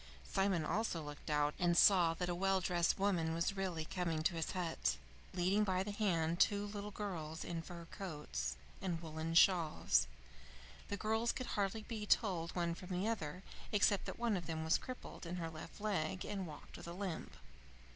Simon also looked out, and saw that a well dressed woman was really coming to his hut, leading by the hand two little girls in fur coats and woolen shawls. The girls could hardly be told one from the other, except that one of them was crippled in her left leg and walked with a limp.